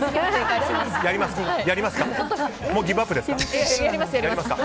やりますか？